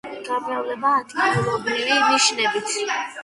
გამრავლება ადგილობრივი ნიშნებით